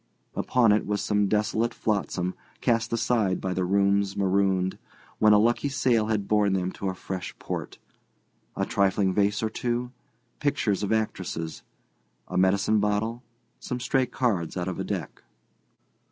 Upon it was some desolate flotsam cast aside by the room's marooned when a lucky sail had borne them to a fresh port—a trifling vase or two, pictures of actresses, a medicine bottle, some stray cards out of a deck.